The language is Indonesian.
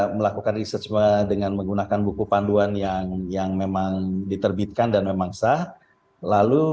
melakukan research dengan menggunakan buku panduan yang yang memang diterbitkan dan memang sah lalu